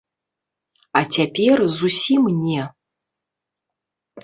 А цяпер зусім не.